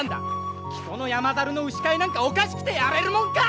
木曽の山猿の牛飼いなんかおかしくてやれるもんか！